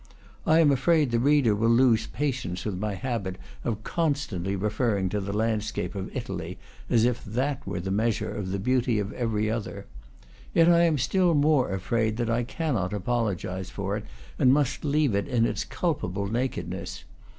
I am afraid the reader will lose patience with my habit of constantly referring to the landscape of Italy, as if that were the measure of the beauty of every other. Yet I am still more afraid that I cannot apologize for it, and must leave it in its culpable nakedness.